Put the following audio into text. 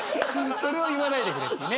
それを言わないでくれっていうね。